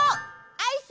アイス！